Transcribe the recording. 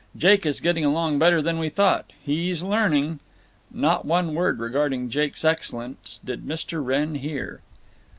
Jake is getting along better than we thought. He's learning—" Not one word regarding Jake's excellence did Mr. Wrenn hear.